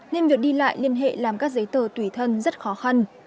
nên việc đi lại liên hệ làm các giấy tờ tùy thân rất khó khăn